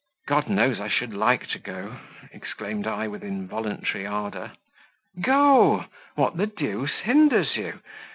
"God knows I should like to go!" exclaimed I with involuntary ardour. "Go: what the deuce hinders you?